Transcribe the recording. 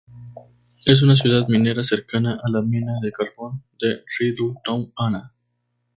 Es una ciudad minera cercana a la mina de carbón de Rydułtowy-Anna.